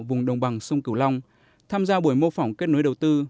vùng đồng bằng sông cửu long tham gia buổi mô phỏng kết nối đầu tư